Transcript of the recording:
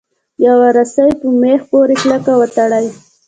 یوه رسۍ په میخ پورې کلکه وتړئ.